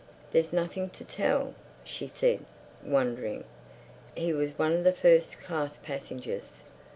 "There's nothing to tell," she said, wondering. "He was one of the first class passengers.